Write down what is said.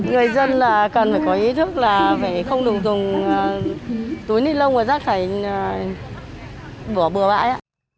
người dân là cần phải có ý thức là phải không được dùng túi linh lông và rác thải bủa bừa bãi